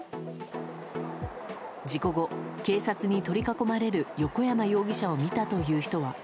事故後、警察に取り囲まれる横山容疑者を見たという人は。